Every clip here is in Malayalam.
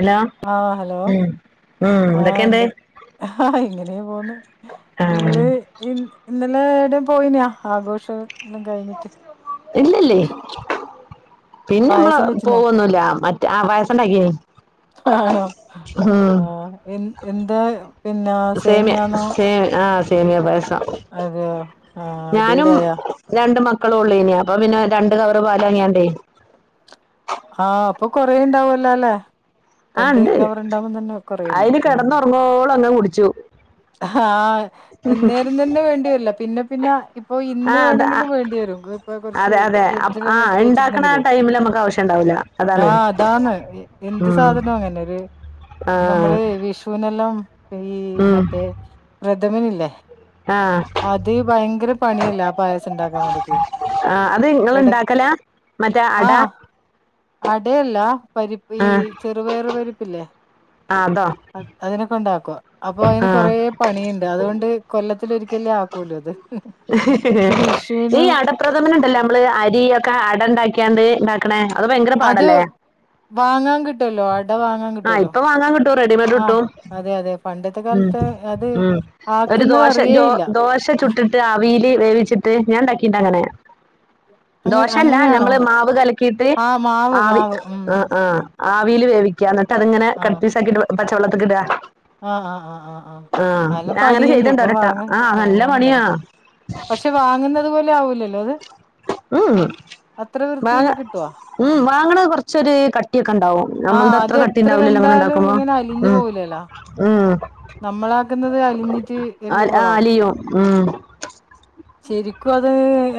ഹലോ ആഹ് ഹലോ ഉം ഉം ആഹ് എന്തൊക്കെയുണ്ട് എന്ത് ആഹ് ഇങ്ങനെ പോന്ന് ആഹ് നിങ്ങള്, ഇ ഇന്നലെ ഇടം പോയിനാ ആഘോഷം എല്ലാം കഴിഞ്ഞിട്ട്, ഇല്ലല്ലേ പിന്നെ നമ്മള് പായസം വെച്ചിനോ പോവൊന്നുല്ല മറ്റ ആഹ് പായസണ്ടാക്കിന്, ആഹ് എ എന്താ? പിന്നെ സേമിയ സേമിയാന്നോ സേമിയ ആഹ് സേമിയ പൈസം, അതെയൊ, ഞാനും രണ്ട് മക്കളും ഉള്ളയിന്ന അപ്പൊ പിന്നെ രണ്ട് കവറ് പാലാങ്ങിയാണ്ടേ, ആഹ്, അപ്പൊ കൊറേണ്ടാവല്ലോ അല്ലെ ആ രണ്ട് ഉണ്ട് കവർ ഉണ്ടാവുമ്പ തന്നെ കൊറേണ്ടാവും ഉം കോളന്നു കുടിച്ചു, ഹാ എന്നേരം തന്നെ വേണ്ടിവരില്ല പിന്നെ പിന്ന, ഇപ്പൊ ഇന്ന് ആ അത വേണങ്കിലും വേണ്ടി വരും ഇപ്പൊ കുറച്ച് അതെ അതെ ആ ഫ്രിഡ്ജിലെല്ലാം എടുത്ത് ഇണ്ടാക്കണ ആ വെച്ചിരുന്നങ്കിലേ, ടൈമില് നമുക്ക് ആവശ്യം ഉണ്ടാവൂല അതാണ് ആഹ് അതാണ് എന്ത് ഉം സാധനോ അങ്ങന ഒര്, ആഹ് നമ്മള് വിഷുനെല്ലാം ഈ ഉം മറ്റേ പ്രഥമിനല്ലേ? ആഹ്, അത് ഭയങ്കര പണിയല്ലെ ആ പായസം ഉണ്ടാക്കാൻ വേണ്ടീട്ട്, ആഹ് അത് നിങ്ങള് ഉണ്ടാക്കല മറ്റേ ആ അട, അടയല്ല, പരിപ്പ് ഈ ചെറുപയറ് പരിപ്പില്ലേ, ആഹ് അതാ, അതിനൊക്കെ ഉണ്ടാക്കും അപ്പൊ അതിന് കൊറെ പണിയുണ്ട് അതുകൊണ്ട്, കൊല്ലത്തി ഒരിക്കലേ ആക്കൂലോത്, ഈ അടപ്രഥമന ഉണ്ടല്ലേ നമ്മള് അരിയൊക്കെ അട ഉണ്ടാക്കിയാണ്ട്, ണെ, അത് ഭയങ്കര അത് പാടല്ലേ? വാങ്ങാൻ കിട്ടല്ലോ, അട വാങ്ങ ആഹ് ഇപ്പൊ വാങ്ങാൻ കിട്ടും, റെഡിമെയഡ് കിട്ടും അതെ അതെ പണ്ടത്തെ ഉം കാലത്ത് അത് ഉം ഒരു ആക്കുന്നത് ദോശ അറിയേയില്ല ദോശ ചുട്ടിട്ട് അവീൽ വേവിച്ചിട്ട് ഞാൻ ഉണ്ടാക്കിണ്ട് അങ്ങനെ, അങ്ങ ദോഷല്ല അങ്ങനെയാണോ ഞമ്മള് മാവ് കലക്കിയിട്ട് ആ മാവ് ആവി മാവ് ഉം ആ ആഹ് ആവിൽ വേവിക്ക എന്നിട്ട് അത്ങ്ങനെ ആ കട് പീസ് ആക്കിട്ട് പച്ചവെള്ളത്തില് ഇടാ, ആഹ് ആഹ് ആഹ് ആഹ് ആഹ് അല്ലാം ഞാൻ അങ്ങനെ പണിയല്ലേ ചെയ്തിട്ടുണ്ട് ഇപ്പൊ ഒരട്ടം വാങ്ങ ആ നല്ല പണിയാ വാങ്ങാനുണ്ടല്ലോ, പക്ഷെ വാങ്ങുന്നത് പോലെ ആവൂലല്ലോ ഇത്, ഉം ഉം അത്ര വാങ്ങ വൃത്തിയില് കിട്ടൊ? ഉം വാങ്ങണ കൊറച്ചൊരു കട്ടിയൊക്കെ ഉണ്ടാവും നമ്മൾ ആഹ് ഇത് അത്ര അത് കട്ടി എത്ര ഉണ്ടാവില്ലല്ലോ അങ്ങനെ വെന്താലും ഇണ്ടാക്കുമ്പോ ഇങ്ങനെ അലിഞ്ഞു ഉം, പോവൂലല്ലോ ഉംഉ, നമ്മളാക്കുന്നത് അലിഞ്ഞിട്ട് ആ എല്ലാം ആ കുളാവും, അലിയും ഉം ശെരിക്കും അത്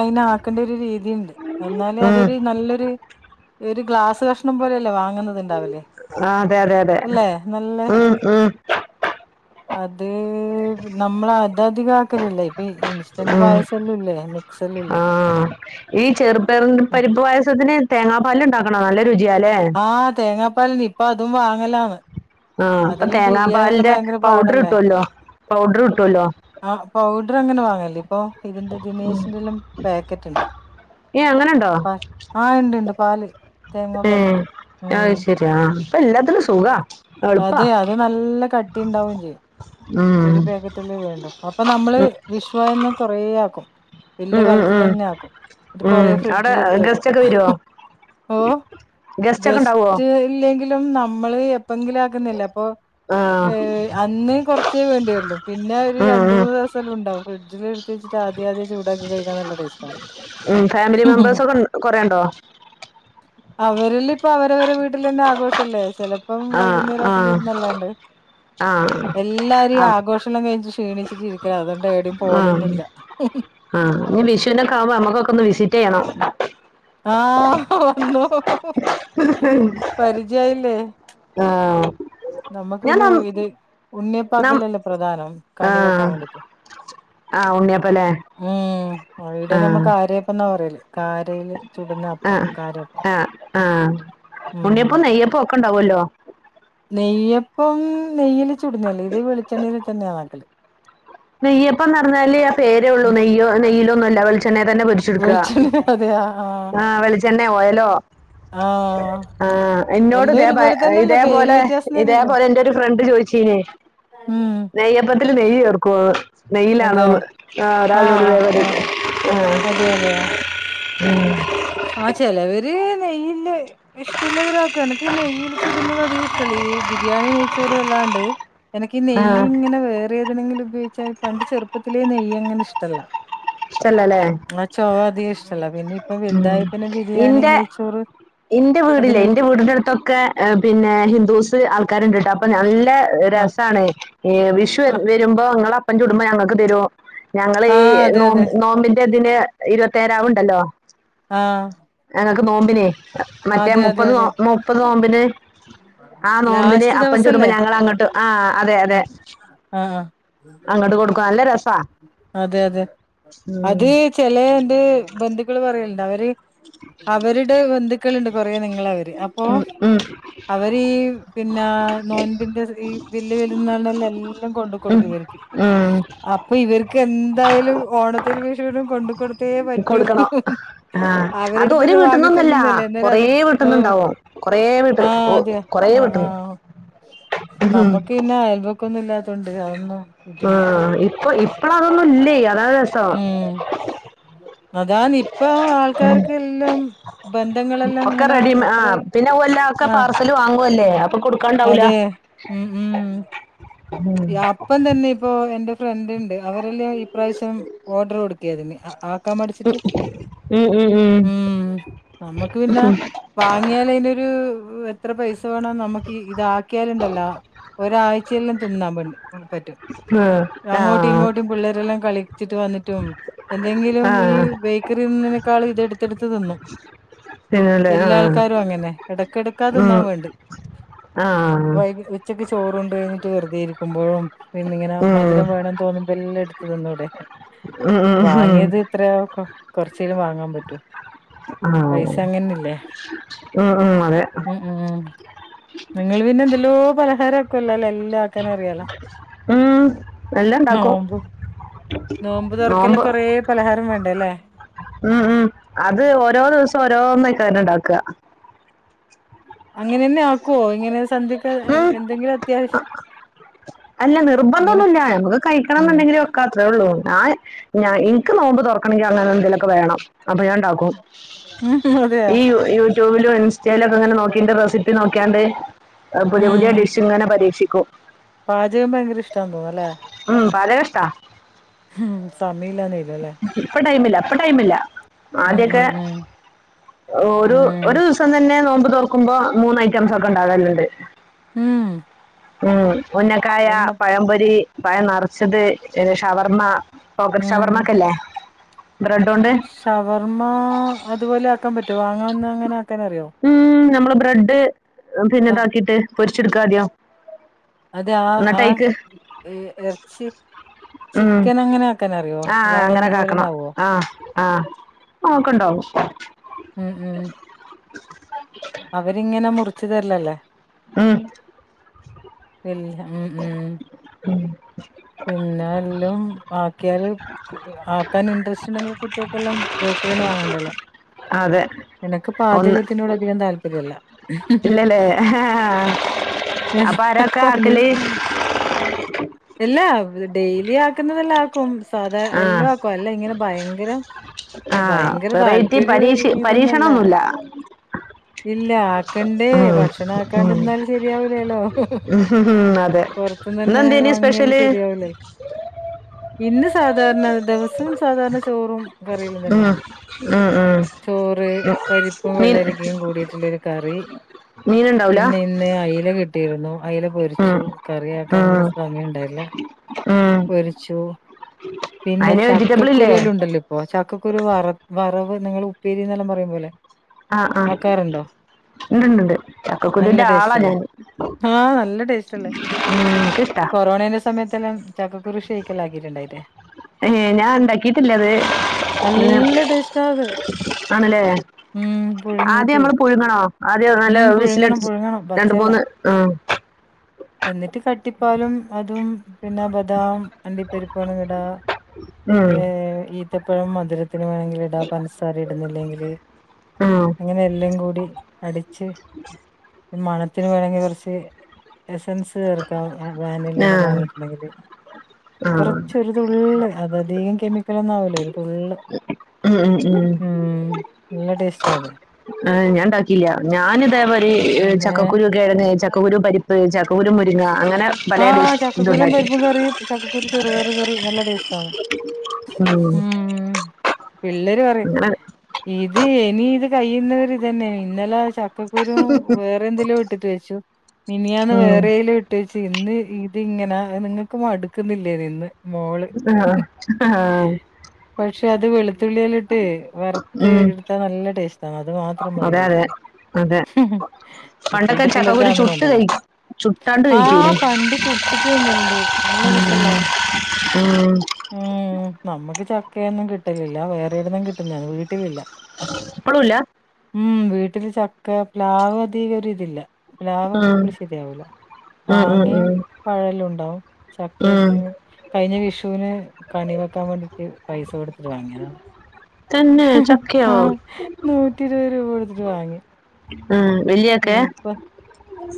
അയിനാക്കേണ്ട ഒരു രീതിയുണ്ട് എന്നാല് ഉം അതൊരു നല്ലൊരു ഒരു ഗ്ലാസ് കഷ്ണം പോലെയല്ലേ വാങ്ങുന്നുന്നത്ണ്ടാവല്, ആഹ് അതെ അതെ അതെ ഉ ഉം അത് നമ്മള അതധികം ആക്കലല്ല ഇപ്പ ഉം ആഹ് ആഹ ഈ ചെറുപ്പറി പരിപ്പ് പായസത്തിന് തേങ്ങാ പാല് ഉണ്ടാക്കണ നല്ല രുചിയല്ലേ ആഹ് തേങ്ങാപ്പാല ഇപ്പ അതും വാങ്ങലന്ന് ആഹ് ഇപ്പൊ തേങ്ങാ പാലിന്റെ പൗഡർ പാടല്ലേ കിട്ടുവല്ലോ പൗഡർ കിട്ടുമല്ലോ ആഹ് പൗഡർ അങ്ങനെ വാങ്ങല്ലേ ഇപ്പൊ ഇതിന്റെ ദിനേശിന്റെറെ എല്ലാം പാക്കറ്റ് ഉണ്ട് ഏ അങ്ങനെണ്ടോ ആഹ് ഉണ്ട്ണ്ട് പാല് തേങ്ങാ ഏ പാലുണ്ട് അയ് ഉം ശരിയാ അപ്പ എല്ലാത്തിനും സുഖ അതെ അത് നല്ല കട്ടി ഉണ്ടാവുകയും ചെയ്യും ഉം ഒരു പാകറ്റ് വേണ്ടു അപ്പൊ നമ്മള് വിഷ്വന്ന് കൊറേ ആക്കും വല്യയ ഉം ഉം ഉം കാലത്തിന്നെ ആക്കും എന്നിട്ട് കൊറേ ഉം അവിടെ ഫ്രിഡ്ജിൽ എടുത്ത് വക്കും ഗസ്റ്റ് ഓ ഗെസ്റ്റ് ഒക്കെ ഉണ്ടാവുവോ ഗസ്റ്റ് ഇല്ലെങ്കിലും നമ്മള് എപ്പോെങ്കിലും ആക്കുന്നില്ല അപ്പൊ ആ ഏഹ് അന്ന് കുറച്ചേ വേണ്ടിവ രുള്ളൂ പിന്നെ ഒരു ഉം രണ്ട് ഉം മൂന്ന് ദിവസം ഉണ്ടാവും ഫ്രിഡ്ജില് എത്ച്ചിട്ട് ആദ്യ ആദ്യം ചൂടാക്കി കഴിക്കാ നല്ലടേസ്റ്റണ് ഉം ഫാമിലി മെമ്പേഴ്സ് ഒക്കെ കൊറേ ഉണ്ടോ അവരില് ഇപ്പ അവരവരുടെ വീട്ടിൽ തന്നെ ആഘോഷല്ലേ ചിലപ്പം ആ വൈകുന്നേരം ആ റ്റ വിരുന്നല്ലാണ്ട് ആ എല്ലാരും ആ ആഘോഷണം കഴിഞ്ഞിട്ട് ക്ഷീണിച്ചിട്ട ഇരിക്ക അതണ്ട് എടയും പോവ ലൊന്നുമില്ല ആഹ് നീ വിഷുനൊക്കെ ആവുമ്പോ നമ്മക്കൊക്കെ ഒന്ന് വിസിറ്റ് ചെയ്യണം ആഹ് വന്നോ ആഹ് നമുക്ക് പിന്നെ ഇത് നം ഉണ്ണിയപ്പാക്കലല്ലേ പ്രധാനം കണി വെക്കാൻ വേണ്ടീട്ട് ആഹ് ഉണ്ണിയപ്പലെ ഉം ഇവിടെ നമ്മുക്ക് ആരപ്പന്നാ പറയല് കാരല് ചുടുന്ന ആ അപ്പം കാരപ്പം ആ ഉം ഒക്കെണ്ടാവുമല്ലോ നെയ്യപ്പം നെയ്യില് ചുടന്ന തല്ലോ ഇത് വെളിച്ചെണ്ണയിൽ തന്നെയാ ന ന്നാക്കല് നെയ്യപ്പന്ന് പറഞ്ഞാല്ത്ത പേ ര്ഉള്ളൂ ഉം നെയ്യ നെയയിലൊന്നുംല്ല വെളിച്ചണ്യ തന്നെ പൊരി ടുക്ക വെളിച്ചെണ്ണ അതെയ ആ വെളിച്ചെണ്ണോ ഓയലോ ആഹ് ആഹ് എന്നോട് എല്ലാം ഇതേ ഒരുപോലെ തന്നെയല്ലേ പേര് ഇതേപോലെ വ്യത്യാസം തന്നെയള്ളൂ ഇതേപോലെ എന്റെ ഒരു ഫ്രണ്ട് ചോദിച്ചനേ ഉം നെയ്യപ്പത്തില് നെയ്യ് ചേർക്കോ ന്ന് അതെയ നെയ്യിലാണോന്ന് ആഹ് ഒരാളിനോട് ഇതേ ആഹ് പോലെ ചോദിച്ചു ആഹ് അതെ ആഹ് ഉ ആഹ് ചെലവര് നെയ്യല് ഇഷ്ടമുള്ളവരാക്കും എനക്ക് ഈ നെയ്യിൽ ചുടുന്നത് അധികം ഇഷ് ടല്ലഈ ബിരിയാണി നെയ്ച്ചോറും എല്ലാണ്ട് എനക്ക് ആ നെയ്യ് ഇങ്ങെ റെ വേ ഏ ദി നെങ്കിലും ഉപയോഗിച്ചാൽ പണ്ട് ചെറുപ്പത്തിലെ നെയ്യ അങ്ങന ഇഷ്ടല്ല ഇഷ്ടല്ലല്ലേ ആ ചൊവ അധിക ഇഷ്ടല്ല പിന്നെ ഇപ്പ ഉം ഇന്റെ ഇന്റെ വീടില്ലേ അതിന് ഇന്റെ വീടിന്റെ അടുത്തൊക്കെ പിന്നെ ഹിന്ദൂസ് ആൾക്കാര്ണ്ട്ട്ടാ അപ്പൊ നല്ല ആ രസാണ് ഈ വിഷു ആ വരുമ്പോ ങ്ങള അപ്പം ചുടുമ്പോ ഞങ്ങക്ക് തരും ഞങ്ങള് ആ ഈ അതെ നോ അതെ നോമ്പിന്റെ ഇതിന് ഇരുപത്തേരാവ് ഉണ്ടല്ലോ. ആഹ് ഞങ്ങക്ക് നോമ്പിനെയ് മറ്റേ അതെ മുപ്പത് നോ അതെ മുപ്പത് നോമ്പിന് ആഹ് നോമ്പിന് ലാസ്റ്റ് അപ്പം ചുടുമ്പോ ദിവസല്ലേ ഞങ്ങള് അങ്ങോട്ട് ആഹ് അതെ അതെ. ആഹ് ക്ക അല്ല രസാ അതെ അതെ അത് ഉം ചെലേത് ബന്ധുക്കള് പറയലുണ്ട അവര് അവര്ടെ ബന്ധുക്കള്ണ്ട് കൊറേ നിങ്ങള അവര് അപ്പൊ ഉം ഉം അവരീഈ പിന്നാ നോൻമ്പിന്റെ ഈ [unintelligible] വലുന്നാണലല്ല എല്ലാം കൊണ്ട് ഉം കൊടുക്ക് വര്ക്ക്. ഉം പ്പൊ ഇവർക്ക് എന്തായാലും ഓണത്തിന് വിശേഷം കൊണ്ട് കൊടു ത്തേ പറ്റൂ, കൊടുക്കണം ആ അത് ഒരു അവരുടുത്ത്ത് വീട്ടിന്നൊന്നല്ല വാങ്ങിത്ത്ന്നുന്നല്ലേ അന്നേരാ കൊറേ അത് ഓഹ്. വീട്ടിന്നുണ്ടാവും കൊറേ വീട്ട് ആഹ് ഓ അതെ കൊറേ ആഹ് വീട്ടിന്ന് ആഹ് ഓഹ് ഉം. നമ്മക്ക് ഇന്നെ അയബ കൊന്നും ഇല്ലാതൊണ്ട് അതൊന്നും ഇതില്ല ആഹ് ഇപ്പൊ ഇപ്പള അതൊന്നുംല്ലേയ് അതാണ് രസം. അതാനി പ്പൊ ആൾക്കാർക്കല്ലാം ബന്ധങ്ങളെല്ലാം ഇങ്ങനെ അത്ര പിന്നെവുല്ലാ ആഹ് അതെ ഉ ഉം. യാ അപ്പം തന്നെ ഇപ്പോ എന്റെ ഫ്രണ്ട് ഉണ്ട് അവരെല്ലാം ഈപാവശ്യം ഓർഡർ കൊടുക്കായിരുന്നു അ ആ ക്കാം മടിച്ചിട്ട് ഉം ഉം ഉം നമ്മക്ക് പിന്നേ വാങ്ങിയാല അയിൻന്റെരൂ എത്ര പൈസ വേണം നമ്മുക്കി ഇതാ ആക്കിയാലുണ്ടല്ലോ ഒരാഴ്ചെല്ലാം തിന്നാൻ വേണ്ട്. പറ്റും ആ അങ്ങോട്ടും ആ ഇങ്ങോട്ടും പിള്ളേരെല്ലാം കളിച്ചിട്ട് വന്നിട്ടും എന്തെങ്കിലും ഈ ആഹ് ബേക്കറി ത് ന്നേനേക്കാള് ഇതെടുത്തെടുത്ത് തിന്നും. പിന്നല്ലേ വല്ല്യ ആഹ് ആൾക്കാരും അങ്ങനെ എടക്കെടക്കാ ത് ന്നാ ഉം വേണ്ട്. ആഹ് വൈകി ഉച്ചക്ക് ചോറുണ്ട് കഴിഞ്ട്ട് വെറുതെ ഇരിക്കുംമ്പോഴും പിന്നിങ്ങെനേ ഉം മധുരം വേണം. തോന്നുമ്പല്ലാം എടുത് ത് ന്നൂടെ ഉം ഉം ഉം വാങ്ങിയത് എത്രയാക്ക കൊറചേലും വാങ്ങാൻ പറ്റോ. ആഹ് പൈസ അങ്ങനല്ലേ ഉം ഉം അതെ ഉം ഉം. നിങ്ങൾ പിന്നെ എന്തേല്ലോ പലഹാരം ആക്കുല്ലലേ എല്ലാ ഉം എല്ലാം ഇണ്ടാക്കും. നോമ്പ് നോമ്പ് തൊറക്കെല്ലാം കൊറേ പലഹാരം വേണ്ട അല്ലേ. ഉം ഉം അത് ഓരോ ദിവസം ഓരോന്നേക്കാരം ണ്ടാക്കാ. അങ്ങനെന്നെ ആക്കുവോ ഇങ്ങനെ സന്ധ്യക്ക് ഉം എന്തെങ്കിലും അത്യാവശ്യം അല്ല ഇങ്ങനെ നിർബന്ധൊന്നുല്ല നമുക്ക് കഴിക്കണം ഉം എന്നുണ്ടെങ്കില് വെക്കാ അത്രേ ഉള്ളൂ ഞൻ ഞാൻ ഇൻക്ക് നോമ്പ് തൊറക്കണങ്കി അങ്ങനെ എന്തേലൊക്കെ വേണം അപ്പൊ ഞാൻ ണ്ടാക്കും ഉം അതെയാ ഈ യൂട്യൂബിലും ഇൻസ്റ്റയില ഒക്കെ ങ്ങനെ നോക്കി ന്റ റെസിപ്പി നോക്കിയാണ്ട് പുതിയ പുതിയ ഉം ഡിഷ് ഇങ്ങനെ പരീക്ഷിക്കും. പാചകം ഭയങ്കര ഇഷ്ട തോന്നുന്നല്ലെ. ഉം പാചകം ഇഷ്ട. ഉം സമീയില്ല എന്നെ ഇല്ലു അല്ലേ. ഇപ്പൊ ടൈമില്ല ഇപ്പൊ ടൈമില്ല ഉം ആദ്യൊക്കെ ഉം ഉം ഒരു ഒരു ഉം ദി സന്നെ നോമ്പ് തോർക്കുമ്പോ മൂന്ന് ഐറ്റംസ് ഒക്കെ ഉണ്ടാക്കലുണ്ട്. ഉം. ഉം ഉന്നക്കായ എണ്ണ പഴംപൊരി പഴം നിറച്ചത് ഏഹ് ഷവർമ്മ. ഉം ഷവർമാക്കല്ലേ ബ്രെഡോണ്ട്. ഷവർമ്മ അതുപോലെ ആക്കാൻ പറ്റുവോ വാങ്ങാന്ന് അങ്ങനെ ആക്കാനറിയോ? ഉം നമ്മള് ബ്രെഡ് പിന്നെ വ- ഇതാക്കിട്ട് പൊരിച്ചെടുക്കാ ആദ്യം. അതെ ആഹ് എന്നിട്ട് ആഹ് അയിക്ക് ഈ ഇറച്ചി. ഉം ചിക്കൻ അങ്ങനെ ആക്കാനറിയോ വാങ്ങുന്നതു പോലെന്നാവോ? ആഹ് നോക്കണ്ടാവും. ഉം ഉം. അവരിങ്ങനെ മുറിച്ച് തെർലല്ലേ? ഉം. ഇല്ല ഉം ഉം. പിന്നെ എല്ലോം ആക്കിയാല് ആക്കാൻ ഇൻട്രസ്റ്റ് ഇണ്ടെങ്കിൽ കുട്ടിയെക്കെല്ലം ബേക്കറിന്ന് വാങ്ങണ്ടേല്ലോ. അതെ എനക്ക് പാചകത്തിനോട് അധികം താല്പര്യ ഇല്ല ഇല്ലലെ അപ്പോ ആര ഒക്കെ ആക്കല്? ഇല്ല ഡെയിലി ആ ക്ക്‌ന്നതല്ല ആക്കും സാധാ ആ എല്ലോ ആക്കും അല്ല ഇങ്ങനെ ഭയങ്കരം ആ ഭയങ്കര വെറൈറ്റി താല്പര്യം പരീക്ഷ ഇതൊന്നല്ല. പരീക്ഷണൊന്നുമില്ല ഇല്ല ആക്കണ്ടേ ഉം, ഭക്ഷണം ആക്കാണ്ട് ഉം. നിന്നാൽ ശെ രിയാവൂലല്ലോ ഉം, അതെ പോറത്ത്ന്ന് അന്നെ ഇന്നെന്തേനി വാങ്ങിയാൽ സ്പെഷ്യല് ശരിയാവൂല. ഇന്ന സാധാരണ ദിവസം സാധാരണ ചോറും കറിയെല്ലം ഉം, തന്നെയാണ് ഉം, ഉം, ചോറ് ഉം. പരിപ്പും മീൻ വെള്ളരിക്കയും കൂടിയിട്ടുള്ളോരു കറി മീനുണ്ടാവൂല പിന്നെ ഇന്ന് അ അയില കിട്ടിയിരുന്നു അയില ഉം, പൊരിച്ചു കറിയാക്കാൻ ഉം, ഒന്നും സമയം ഉണ്ടായില്ല. ഉം. പൊരിച്ചു പിന്നെ അതിന് വെജിറ്റബിൾ ചക്കക്കുരു ഇല്ലേ എല്ലം ഉണ്ടല്ലോ. ഓഹ് ചക്കകുരു വറ വറവ് നിങ്ങള് ഉപ്പേരിന്നെല്ലം പറയും പോലെ ആഹ് ആഹ് ആക്കാറുണ്ടോ ഇണ്ട് ഇണ്ട്ണ്ട് നല്ല ചക്കക്കുരുന്റെ ആള ടേസ്റ്റ് അല്ലേ ഞാന് ആഹ് നല്ല ടേസ്റ്റ് അല്ലേ ഉം, എനിക്കിഷ്ടാ കൊറോണെന്റെ സമയത്തെല്ലം ചക്കക്കുരു ഷെയ്ക്കെല്ലാ ആക്കിറ്റിണ്ടായിറ്റെ? ഏഹ് ഞാൻ ഉണ്ടാക്കിട്ടില്ലത് അത് പിന്നെ നല്ല ടേസ്റ്റാ അത് ആണ് ലെ ഉം ആദ്യം പുഴുങ്ങീട്ട് നമ്മൾ പുഴുങ്ങണോ? ആദ്യം നല്ല ഉം പുഴുങ്ങണം വിസിലടിച്ച് പുഴുങ്ങണം രണ്ട് പച്ചല്ല മൂന്ന് ആഹ് എന്നിട്ട് കട്ടിപ്പാലും അതും പിന്ന ബദാം അണ്ടിപ്പരിപ്പ് വാണങ്കി ഇടാ ഉം, ഏഹ് ഈത്തപ്പഴം മധുര ത്തിന് വേണെങ്കിൽ ഇടാ പൻസാര ഇടുന്നില്ലെങ്കില് ഉം. അങ്ങനെ എല്ലം കൂടി അടിച്ച് മണത്തിന് വേണേങ്കി കൊർച്ച് എസൻസ് ചേർക്കാം വാനിലെല്ലാം ആഹ് വാങ്ങിയിട്ടുണ്ടെങ്കില് ആഹ് കൊറച്ച് ഒരു തുള്ള് അതധികം കെമിക്കലോന്നും ആവുല്ല ഒരു തുള്ള് ഉം ഉം ഉം. ഉം നല്ല ടേസ്റ്റാത് ആഹ് ഞാൻ ണ്ടാക്കില്ല്യ ഞാൻ ഇതേമാരി ഒ പിന്നെ ചക്കക്കുരു കിഴങ്ങ് ചക്കക്കുരു പരി പ്പ് ചക്കക്കുരു മുരിങ്ങ അങ്ങനെ പലേതിൽ ആഹ് ചക്കക്കുരും ഇതുണ്ടാക്കി പരിപ്പും കറിയും ചക്കക്കുരു ചെറുപയർ കറി നല്ല ടേസ്റ്റാ ഉം പിള്ളേര് പറയും അങ്ങനെ ഇത് എനി ഇത് കഴിയുന്നവരെ ഇതനെ ഇന്നല ച ക്കക്കുരു വേറെ എന്തെല്ലോ ഇട്ടിട്ട് വെച്ചു മിനിയാന്ന് ഉം വേറെലുട്ടെച്ച് ഇന്ന് ഇത് ഇങ്ങന നിങ്ങൾക്ക് മടുക്കുന്നില്ലേ തിന്ന് ആഹ് ആഹ് പക്ഷെ അത് വെള് ത്തുള്ളിയല്ലേട്ട് വറുത്ത് ഉം എടുത്താ നല്ല ടേസ്റ്റാ അത് മാത്രം മതി അതെ അതെ കഴിക്കാൻ അതെ ഉം ഉം പണ്ടൊക്കെ ഇപ്പൾത്തെ പിള്ളേർക്ക്‌ ചക്കക്കുരു അതോന്നും ചുട്ട് വേണ്ടല്ലോ കഴി ചുട്ടാണ്ട് ആഹ് കഴിക്കൂലേ പണ്ട് ചുട്ടിട്ട് തിന്നൽണ്ട് നല്ല രസല്ലേ ഉം ഉം നമ്മക്ക് ചക്കയൊന്നും കിട്ടലില്ല വേറെവ്‌ട്ന്നേം കിട്ടുന്നതാണ് വീട്ടിലില്ല ഇപ്പളുല്ല ഉം വീട്ടില് ചക്ക പ്ലാവ് അധിക ഒര്തില്ല പ്ലാവ് ഉം പുളി ശരിയാവൂല ഉം ഉം മാങ്ങയും ഉം പഴല്ലും ഉണ്ടാവും ഉം ചക്കയൊട്ന്നെങ്ങി കഴിഞ്ഞ വിഷുവിന് കണി വെക്കാൻ വേണ്ടീട്ട് പൈസ കൊടുത്തിട്ട് വാങ്ങിയതാ തന്നെ ഹ്ഹ് ചക്കയോ ആഹ് നൂറ്റിരുവ് രൂപ കൊടുത്തിട്ട് വാങ്ങി ആഹ് വല്ല്യക്കെ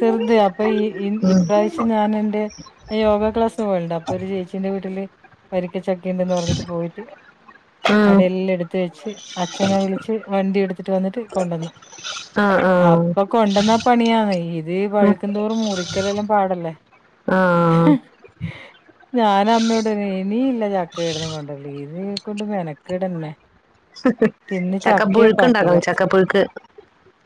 ചെർത് അപ്പൊ ഈ ഇ ഇൻ ഉം ഇപ്രാശ് പ്പ ഞാനെന്റെ യോഗാ ക്ലാസ് പോവൽണ്ട് അപ്പൊ ഒരു ചേച്ചീന്റെ വീട്ടില് വരിക്കച്ചക്കണ്ടെന്ന് പറഞ്ഞിട്ട് പോയിട്ട് ഉം അടെല്ലാം ഇട്ത്ത് വെച്ച് അച്ഛനെ വിളിച്ച് വണ്ടി എടുത്തിട്ട് വന്നിട്ട് കൊണ്ടന്നു ആഹ് അപ്പകൊണ്ടന്ന പണിയാ ഈ ഈ ആഹ് പഴുക്കന്തോറും മുറിക്കലെല്ലാം പാടല്ലേ ആഹ് ഞാന അമ്മയോടയൊടറിഞ്ഞേ എനിയില്ല ചക്കയിടലും കൊണ്ട്രലും ഇതീനെ കൊണ്ട് മെക്കടന്നെ ഹ്ഹ് ചക്ക പുഴുക്ക്ണ്ടാക്കണം കൊറച്ച് ചക്ക പുഴുക്ക്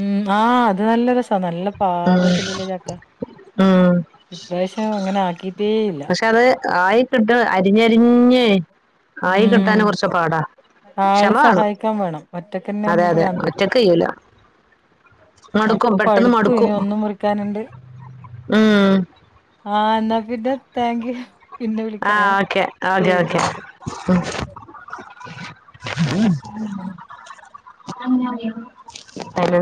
ഉം ആഹ് അത് നല്ല രസാ നല്ല പാക ഉം ത്തിന് ചക്ക ഉം ഇപ്രാശ്യം അങ്ങനെ ആക്കി പക്ഷെ അത് ആയി കിട്ട് അരിഞ്ഞരിഞ്ഞ് ആയി ഉം കിട്ടാന് കൊറച്ച് പാടാ ആള് ക്ഷമ വേണം സഹായിക്കാൻ വേണം ഒറ്റക്കെന്നെ അതെ ആവുമ്പോ അതെ ഭ്രാന്ത് വരും ഒറ്റക്ക് കയ്യൂല മടുക്കും അപ്പൊ പെട്ടെന്ന് പഴുത്തു മടുക്കും ഇനി ഒന്നു മുറിക്കാനുണ്ട് ഉം ആഹ് ന്ന പിന്നെ തേങ്കിയു ആഹ് ഓക്കെ ഓക്കെ ഓക്കെ ആഹ് [unintelligible] [unintelligible]